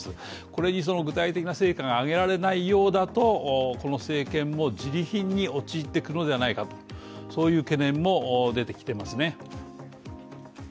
これに具体的な成果が上げられないようだとこの政権もじり貧に陥っていくのではないかという懸念も出てきていますね。